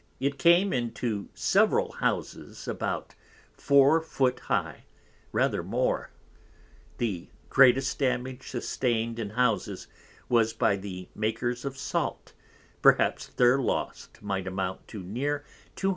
It came into several Houses about 4 foot high, rather more; the greatest damage sustained in Houses, was by the makers of Salt, perhaps their loss might amount to near 200 _l.